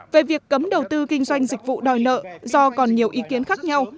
về việc cấm đầu tư kinh doanh dịch vụ đòi nợ do còn nhiều ý kiến khác nhau